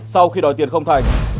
sau khi đòi tiền không thành